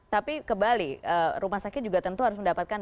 tapi kembali rumah sakit juga tentu harus mendapatkan